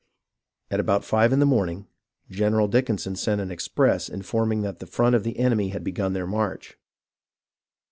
About five in the morning, General Dickinson sent an express informing that the front of the enemy had begun their march.